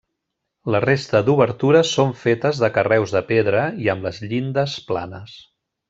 La resta d'obertures són fetes de carreus de pedra i amb les llindes planes.